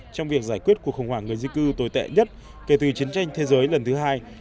trong việc giải quyết cuộc khủng hoảng người di cư tồi tệ nhất kể từ chiến tranh thế giới lần thứ hai